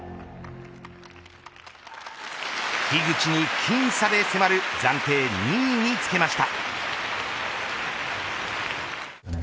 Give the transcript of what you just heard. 樋口に僅差でせまる暫定２位につけました。